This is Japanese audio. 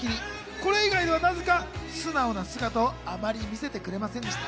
これ以外ではなぜか素直な姿をあまり見せてくれませんでした。